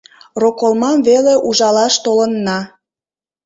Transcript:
Роколмам веле ужалаш толынна.